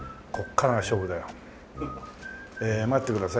ええ待ってください。